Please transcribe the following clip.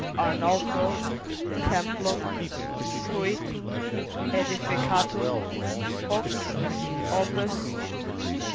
ARNOLFO . TEMPLUM . FUIT . ÆDIFICATUM . HOC . OPUS